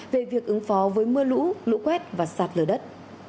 về việc ứng phó với mưa lũ lũ quét và sạt lở đất